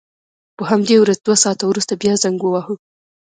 په همدې ورځ دوه ساعته وروسته بیا زنګ وواهه.